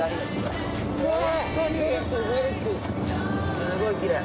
すごいきれい。